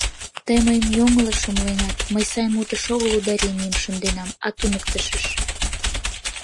— Тый мыйым йоҥылыш умыленат, мый сай мутыш огыл ударенийым шынденам, а туныктышыш.